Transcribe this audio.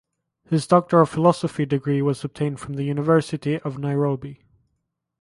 His Doctor of Philosophy degree was obtained from the University of Nairobi.